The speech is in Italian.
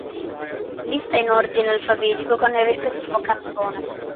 Lista in ordine alfabetico con il rispettivo cantone.